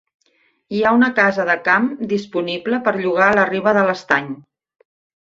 Hi ha una casa de camp disponible per llogar a la riba de l'estany.